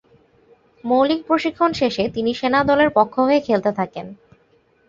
মৌলিক প্রশিক্ষণ শেষে তিনি সেনা দলের পক্ষ হয়ে খেলতে থাকেন।